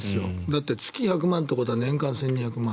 だって月１００万ってことは年間１２００万。